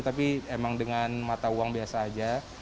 tapi emang dengan mata uang biasa aja